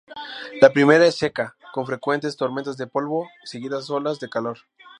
La primavera es seca, con frecuentes tormentas de polvo, seguidas olas de calor.